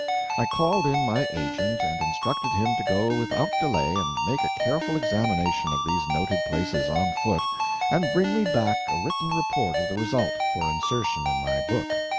I called in my agent and instructed him to go without delay and make a careful examination of these noted places, on foot, and bring me back a written report of the result, for insertion in my book.